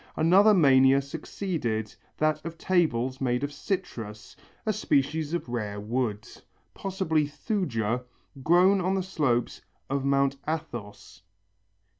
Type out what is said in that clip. Another mania succeeded, that of tables made of citrus, a species of rare wood, possibly Thuja, grown on the slopes of Mount Athos.